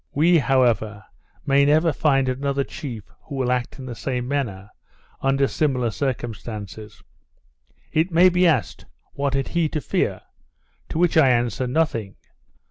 We, however, may never find another chief who will act in the same manner, under similar circumstances. It may be asked, What had he to fear? to which I answer, Nothing.